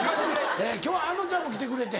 今日はあのちゃんも来てくれて。